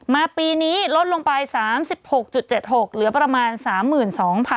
ปีนี้ลดลงไป๓๖๗๖เหลือประมาณ๓๒๐๐๐